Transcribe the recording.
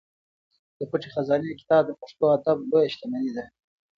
د پټې خزانې کتاب د پښتو ادب لویه شتمني ده.